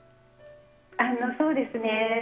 そうですね。